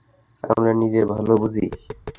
আমরা নিজের ভালো বুঝি।